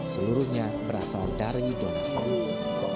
seluruhnya berasal dari donat